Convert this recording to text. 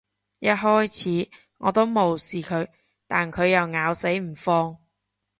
一開始，我都無視佢，但佢又死咬唔放